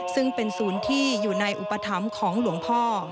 ซึ่งเป็นศูนย์ที่อยู่ในอุปถัมภ์ของหลวงพ่อ